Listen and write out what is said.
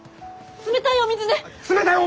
冷たいお水か！